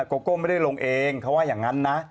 โกโก้ไม่ได้ลงเองเขาว่าอย่างนั้นนะ